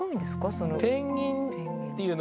その。